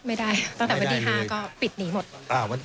ไม่ได้ตั้งแต่วันที่๕ก็ปิดหนีหมด